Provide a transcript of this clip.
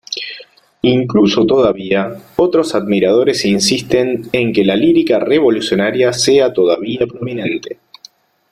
Incluso todavía, otros admiradores insisten en que la lírica revolucionaria sea todavía prominente.